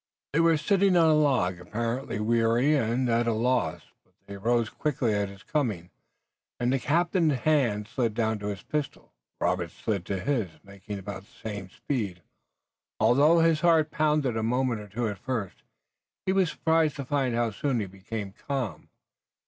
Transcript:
They were sitting on a log, apparently weary and at a loss, but they rose quickly at his coming and the captain's hand slid down to his pistol. Robert's slid to his, making about the same speed. Although his heart pounded a moment or two at first he was surprised to find how soon he became calm.